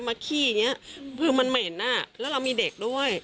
ขี้อย่างนี้คือมันเหม็นอ่ะแล้วเรามีเด็กด้วย